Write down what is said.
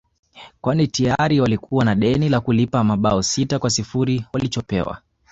kwani tayari walikuwa na deni la kulipa mabao sita kwa sifuri walichopewa